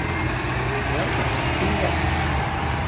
Варта ці не варта?